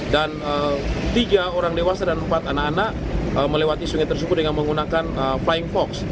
dan tiga orang dewasa dan empat anak anak melewati sungai tersuku dengan menggunakan flying fox